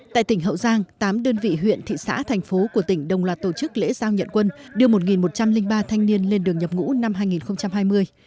tại tỉnh hậu giang tám đơn vị huyện thị xã thành phố của tỉnh đồng loạt tổ chức lễ giao nhận quân đưa một một trăm linh ba thanh niên lên đường nhập ngũ năm hai nghìn hai mươi